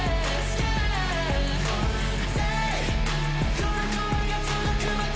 この声が届くまで